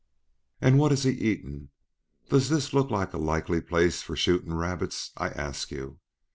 "And what has he eaten? Does this look like a likely place for shootin' rabbits, I ask you?